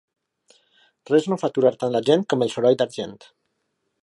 Res no fa aturar tant la gent com el soroll d'argent.